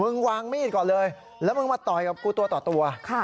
วางมีดก่อนเลยแล้วมึงมาต่อยกับกูตัวต่อตัว